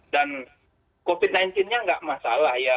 dan covid sembilan belas nya enggak masalah ya